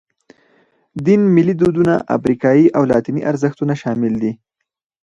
دین، ملي دودونه، افریقایي او لاتیني ارزښتونه شامل دي.